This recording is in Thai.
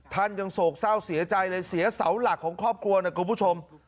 ท่านยังโศกเศร้าเสียใจเลยเสียเสาหลักของครอบครัวนะคุณผู้ชม